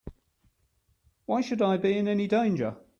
Why should I be in any danger?